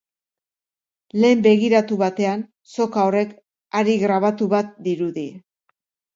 Lehen begiratu batean, soka horrek hari grabatu bat dirudi.